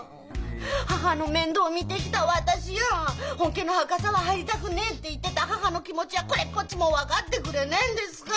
母の面倒を見てきた私や「本家の墓さは入りたくねえ」って言ってた母の気持ちはこれっぽっちも分かってくれねえんですか？